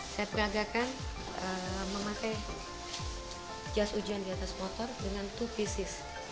saya peragakan memakai jas hujan di atas motor dengan dua pieces